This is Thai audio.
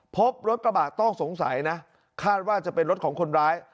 พบรถกระบะต้องสงสัยนะคาดว่าจะเป็นรถของคนร้าย